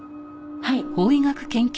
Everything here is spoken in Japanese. はい。